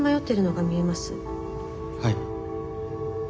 はい。